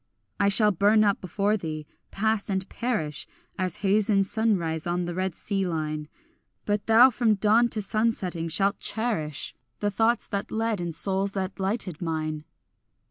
I shall burn up before thee, pass and perish, As haze in sunrise on the red sea line; But thou from dawn to sunsetting shalt cherish The thoughts that led and souls that lighted mine.